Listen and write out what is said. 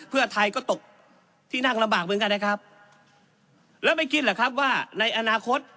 เพื่อไทยก็ตกที่นั่งลำบากเหมือนกันนะครับแล้วไม่คิดเหรอครับว่าในอนาคต